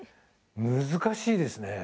難しいですね。